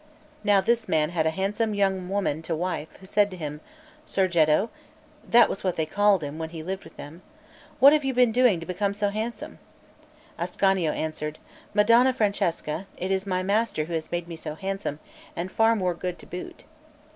Now this man had a handsome young woman to wife, who said to him: "Surgetto" (that was what they called him when he lived with them), "what have you been doing to become so handsome?" Ascanio answered: "Madonna Francesca, it is my master who has made me so handsome, and far more good to boot."